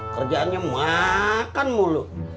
kerjaannya makan mulu